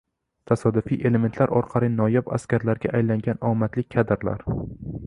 Tasodifiy elementlar orqali noyob asarlarga aylangan omadli kadrlar